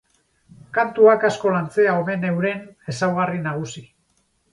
Kantuak asko lantzea omen euren ezaugarri nagusi.